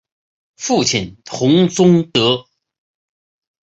父亲洪宗德。